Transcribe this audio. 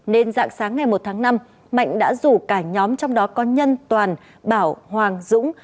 nên dạng sáng ngày một tháng năm mạnh đã rủ cả nhóm trong đó có nhân toàn bảo hoàng dũng